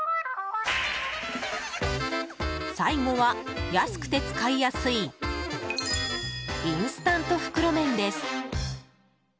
最後は安くて使いやすいインスタント袋麺です。